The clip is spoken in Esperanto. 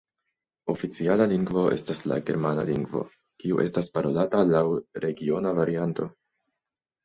Oficiala lingvo estas la Germana lingvo, kiu estas parolata laŭ regiona varianto.